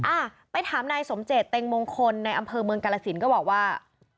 อ่ะไปถามนายสมเจตเต็งมงคลในอำเภอเมืองกาลสินก็บอกว่า